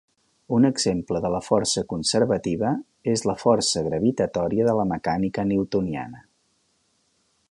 Un exemple de força conservativa és la força gravitatòria de la mecànica newtoniana.